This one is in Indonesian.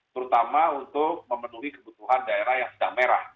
terutama untuk memenuhi kebutuhan daerah yang sedang merah